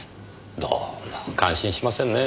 どうも感心しませんねえ。